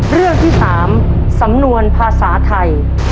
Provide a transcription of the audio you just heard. เรื่องที่๓สำนวนภาษาไทย